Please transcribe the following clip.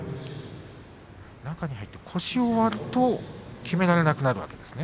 中に入って腰を割るときめられなくなるんですね。